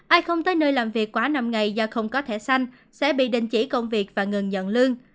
ai không tới nơi làm việc quá năm ngày do không có thẻ xanh sẽ bị đình chỉ công việc và ngừng nhận lương